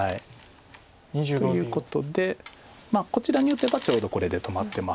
ということでこちらに打てばちょうどこれで止まってます。